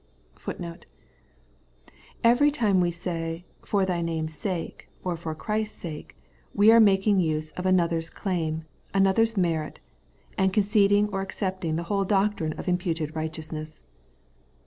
^^ Every time we say * for Thy name's ' sake, or for Christ's sake, we are making use of another's claim, another's merit, and conced ing or accepting the whole doctrine of imputed righteousness.